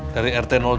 dari rt tujuh